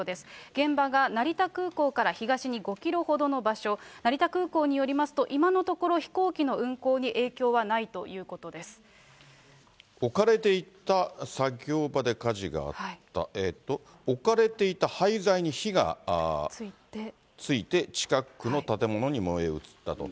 現場が成田空港から東に５キロほどの場所、成田空港によりますと、今のところ、飛行機の運航に影響置かれていた作業場で火事があった、置かれていた廃材に火がついて、近くの建物に燃え移ったと。